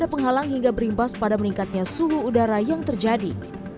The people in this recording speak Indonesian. hal ini halang hingga berimbas pada meningkatnya suhu udara yang terjadi